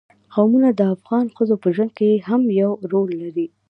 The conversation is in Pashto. قومونه د افغان ښځو په ژوند کې هم یو رول لري.